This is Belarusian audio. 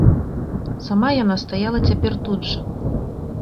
Сама яна стаяла цяпер тут жа.